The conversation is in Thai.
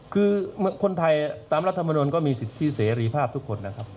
คือคนไทยตามรัฐมนุนก็มีสิทธิเสรีภาพทุกคนนะครับ